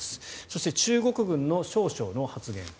そして中国軍の少将の発言。